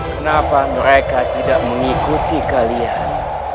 kenapa mereka tidak mengikuti kalian